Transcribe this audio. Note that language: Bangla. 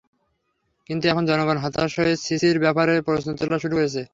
কিন্তু এখন জনগণ হতাশ হয়ে সিসির ব্যাপারে প্রশ্ন তোলা শুরু করেছে।